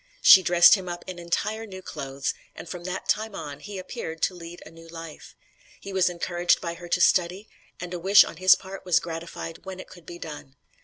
She dressed him up in entire new clothes, and from that time on he appeared to lead a new life. He was encouraged by her to study, and a wish on his part was gratified when it could be done.